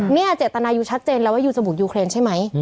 เจตนายูชัดเจนแล้วว่ายูจมูกยูเครนใช่ไหม